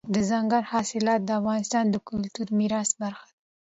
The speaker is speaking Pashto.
دځنګل حاصلات د افغانستان د کلتوري میراث برخه ده.